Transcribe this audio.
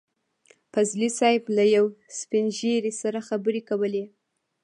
فضلي صیب له يو سپين ږيري سره خبرې کولې.